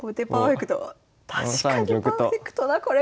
確かにパーフェクトだこれは！